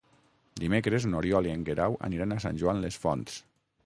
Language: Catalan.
Dimecres n'Oriol i en Guerau aniran a Sant Joan les Fonts.